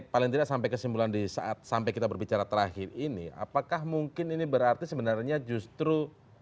paling tidak sampai kesimpulan di saat sampai kita berbicara terakhir ini apakah mungkin ini berarti sebenarnya justru